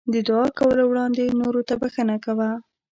د دعا کولو وړاندې نورو ته بښنه کوه.